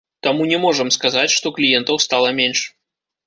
Таму не можам сказаць, што кліентаў стала менш.